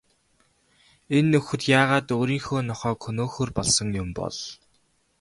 Энэ нөхөр яагаад өөрийнхөө нохойг хөнөөхөөр болсон юм бол?